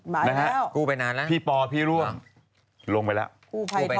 มาแล้วพี่ปอพี่ร่วมลงไปแล้วคู่ไปนานแล้ว